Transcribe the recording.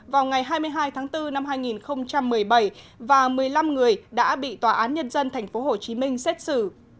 vào ngày hai mươi hai tháng bốn năm hai nghìn một mươi bảy và một mươi năm người đã bị tòa án nhân dân tp hcm xét xử